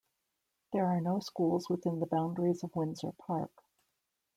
There are no schools within the boundaries of Windsor Park.